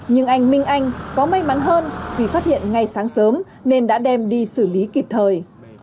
nhưng anh minh anh có may mắn hơn vì phát hiện ngay sáng sớm nên đã đem đi xử lý kịp thời